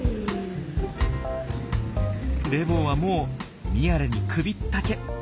レボーはもうミヤレに首ったけ。